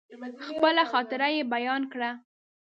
خپله خاطره يې بيان کړه.